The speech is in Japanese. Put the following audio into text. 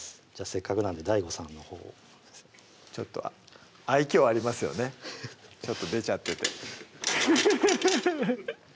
せっかくなんでＤＡＩＧＯさんのほうをちょっと愛嬌ありますよねちょっと出ちゃっててヘヘヘヘ